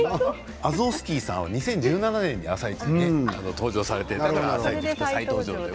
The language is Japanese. アゾースキーさんは２０１７年に「あさイチ」で登場されています。